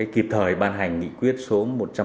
kịp thời ban hành nghị quyết số một trăm một mươi